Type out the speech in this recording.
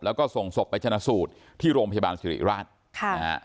แล้วก็ส่งศพไปชนะสูตรที่โรงพยาบาลสิริราชค่ะนะฮะ